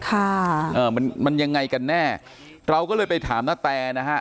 เอ่อมันมันยังไงกันแน่เราก็เลยไปถามนาแตนะฮะ